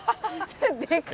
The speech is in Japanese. でかい。